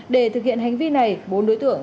để thực hiện hành vi này bốn đối tượng